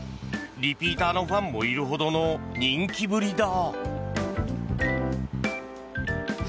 リピーターのファンもいるほどの人気ぶりだ。